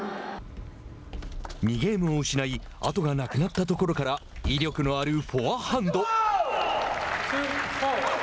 ２ゲームを失い後がなくなったところから威力のあるフォアハンド。